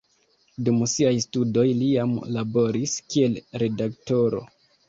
Dum siaj studoj li jam laboris kiel redaktoro.